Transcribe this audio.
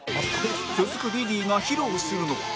続くリリーが披露するのは